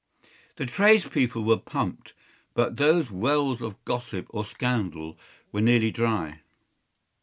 The tradespeople were pumped, but those wells of gossip or scandal were nearly dry.